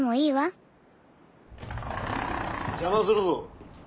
邪魔するぞ。